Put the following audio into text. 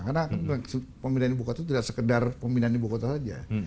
karena pemindahan ibu kota itu tidak sekedar pemindahan ibu kota saja